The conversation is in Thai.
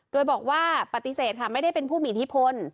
โดยบอกว่าปฏิเสธค่ะไม่ได้เป็นผู้มีอิทธิพล